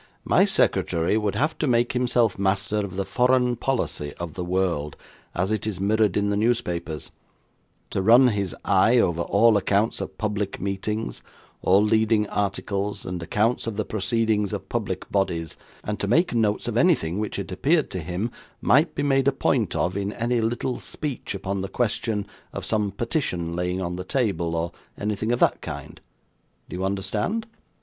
'My secretary would have to make himself master of the foreign policy of the world, as it is mirrored in the newspapers; to run his eye over all accounts of public meetings, all leading articles, and accounts of the proceedings of public bodies; and to make notes of anything which it appeared to him might be made a point of, in any little speech upon the question of some petition lying on the table, or anything of that kind. Do you understand?